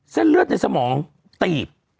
เส้นเลือดในสมองตีบ